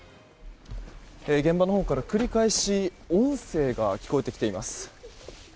現場のほうから繰り返し、音声が聞こえてきています。